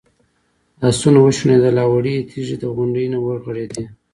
آسونه وشڼېدل او وړې تیږې د غونډۍ نه ورغړېدې.